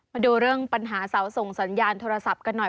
มาดูเรื่องปัญหาเสาส่งสัญญาณโทรศัพท์กันหน่อย